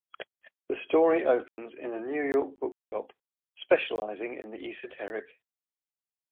The story opens in a New York bookshop, specializing in the esoteric.